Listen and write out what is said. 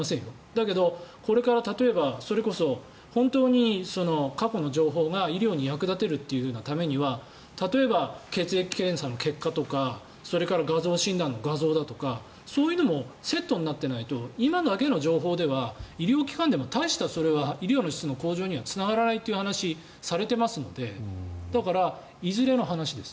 だけどこれから例えば、それこそ本当に過去の情報を医療に役立てるためには例えば、血液検査の結果とかそれから画像診断の画像だとかそういうのもセットになってないと今の情報だけでは医療機関でも大した医療の質の向上にはつながらないという話がされていますのでだから、いずれの話です。